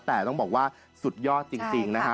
แต่ต้องบอกว่าสุดยอดจริงนะคะ